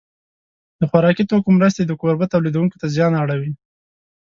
د خوراکي توکو مرستې د کوربه تولیدوونکو ته زیان اړوي.